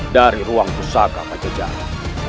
dari ruang pusaka pajajara